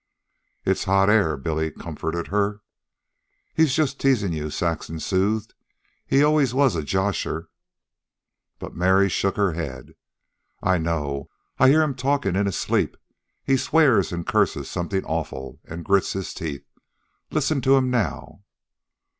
"It's hot air," Billy comforted her. "He's just teasing you," Saxon soothed. "He always was a josher." But Mary shook her head. "I know. I hear him talkin' in his sleep. He swears and curses something awful, an' grits his teeth. Listen to him now."